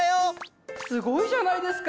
すごいじゃないですか！